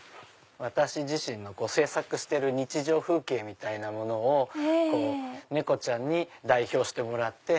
私自身の制作してる日常風景みたいなものを猫ちゃんに代表してもらって。